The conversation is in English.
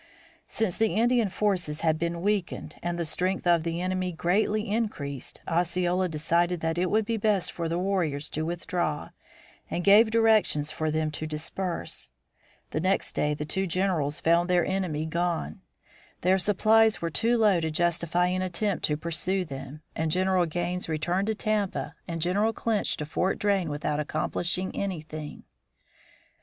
Since the Indian forces had been weakened and the strength of the enemy greatly increased, Osceola decided that it would be best for his warriors to withdraw and gave directions for them to disperse. The next day the two generals found their enemy gone. Their supplies were too low to justify an attempt to pursue them, and General Gaines returned to Tampa and General Clinch to Fort Drane without accomplishing anything.